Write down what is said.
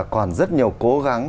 còn rất nhiều cố gắng